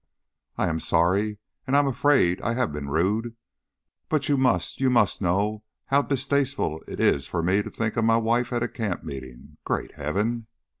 "I am sorry, and I am afraid I have been rude. But you must you must know how distasteful it is for me to think of my wife at a camp meeting. Great heaven!"